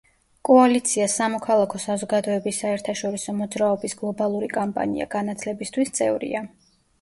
კოალიცია სამოქალაქო საზოგადოების საერთაშორისო მოძრაობის გლობალური კამპანია განათლებისთვის წევრია.